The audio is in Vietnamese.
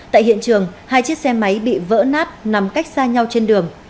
tại hiện trường hai chiếc xe máy bị vỡ nát nằm cách xa nhau trên đường